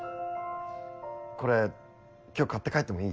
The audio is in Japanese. これ今日買って帰ってもいい？